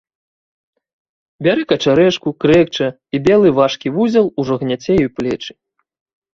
Бярэ качарэжку, крэкча, і белы важкі вузел ужо гняце ёй плечы.